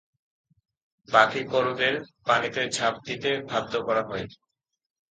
বাকি ক্রুদের পানিতে ঝাঁপ দিতে বাধ্য করা হয়।